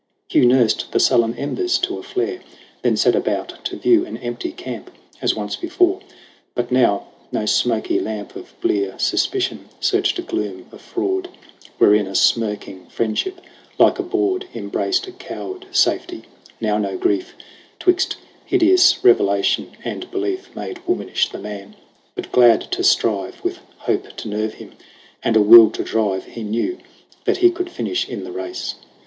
Hugh nursed the sullen embers to a flare, Then set about to view an empty camp As once before ; but now no smoky lamp Of blear suspicion searched a gloom of fraud Wherein a smirking Friendship, like a bawd, Embraced a coward Safety; now no grief, 'Twixt hideous revelation and belief, Made womanish the man ; but glad to strive, With hope to nerve him and a will to drive, He knew that he could finish in the race.